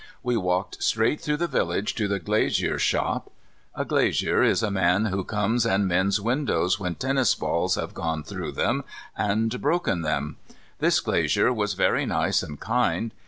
We walked straight through the village to the glazier's shop. A glazier is a man who comes and mends windows when tennis balls have gone through them and broken them. This glazier was very nice and kind.